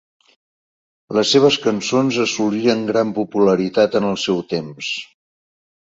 Les seves cançons assoliren gran popularitat en el seu temps.